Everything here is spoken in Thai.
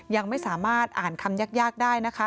ยังไม่สามารถอ่านคำยากได้นะคะ